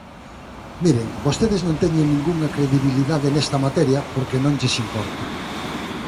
Miren, vostedes non teñen ningunha credibilidade nesta materia, porque non lles importa.